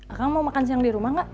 akang mau makan siang di rumah gak